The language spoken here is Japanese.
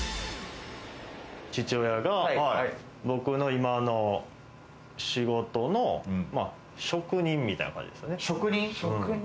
父親が僕の今の仕事の職人みたいな感じですね。